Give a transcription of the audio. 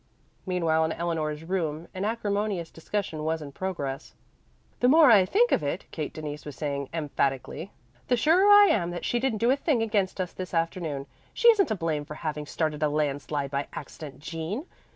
Meanwhile in Eleanor's room an acrimonious discussion was in progress. "The more I think of it," Kate Denise was saying emphatically, "the surer I am that she didn't do a thing against us this afternoon. She isn't to blame for having started a landslide by accident, Jean.